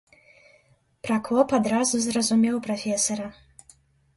Пракоп адразу зразумеў прафесара.